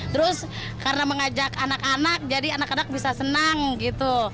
terus karena mengajak anak anak jadi anak anak bisa senang gitu